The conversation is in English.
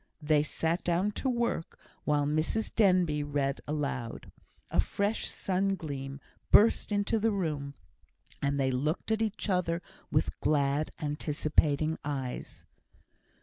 They sat down to work, while Mrs Denbigh read aloud. A fresh sun gleam burst into the room, and they looked at each other with glad, anticipating eyes.